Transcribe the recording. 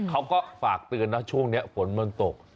เขาก็ฝากเตือนนะช่วงนี้ฝนมันตก